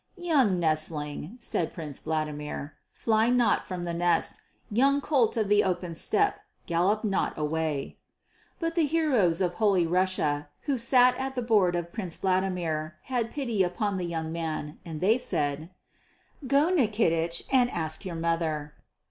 "Young nestling," said Prince Vladimir, "fly not from the nest. Young colt of the open steppe, gallop not away." But the heroes of Holy Russia who sat at the board of Prince Vladimir had pity upon the young man and they said, "Go, Nikitich, and ask your mother."